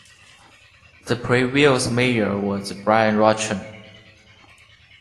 The previous mayor was Brian Roczen.